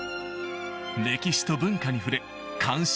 歴史と文化に触れ感心